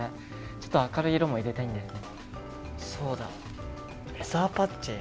ちょっと明るい色も入れたいんだよね。